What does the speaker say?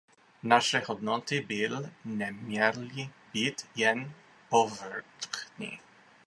Naše hodnoty by neměly být jen povrchní.